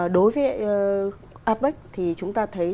đối với apec thì chúng ta thấy